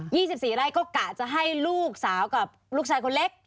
ี่สิบสี่ไร่ก็กะจะให้ลูกสาวกับลูกชายคนเล็ก